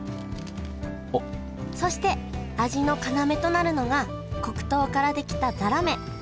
そして味の要となるのが黒糖から出来たざらめ。